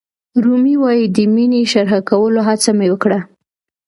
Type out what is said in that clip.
رومي وایي د مینې شرحه کولو هڅه مې وکړه.